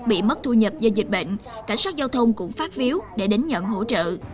bị mất thu nhập do dịch bệnh cảnh sát giao thông cũng phát phiếu để đến nhận hỗ trợ